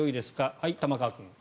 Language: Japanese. はい、玉川君。